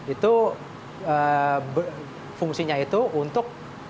itu fungsinya itu untuk